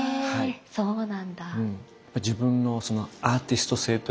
そうなんだ！